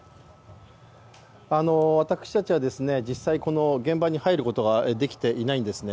私たちは実際、この現場に入ることができていないんですね。